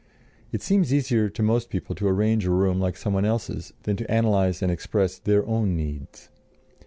It seems easier to most people to arrange a room like some one else's than to analyze and express their own needs.